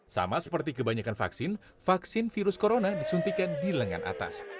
sama seperti kebanyakan vaksin vaksin virus corona disuntikan di lengan atas